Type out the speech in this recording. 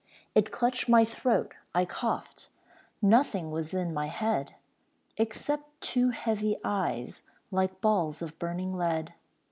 It clutched my throat, I coughed; Nothing was in my head Except two heavy eyes Like balls of burning lead.